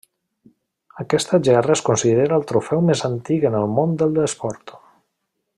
Aquesta gerra es considera el trofeu més antic en el món de l'esport.